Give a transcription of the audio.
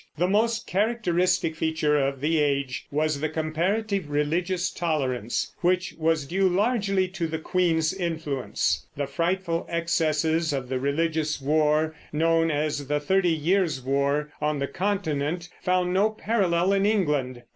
The most characteristic feature of the age was the comparative religious tolerance, which was due largely to the queen's influence. The frightful excesses of the religious war known as the Thirty Years' War on the Continent found no parallel in England.